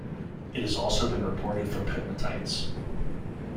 It has also been reported from pegmatites.